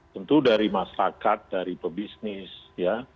tentu dari masyarakat dari pebisnis ya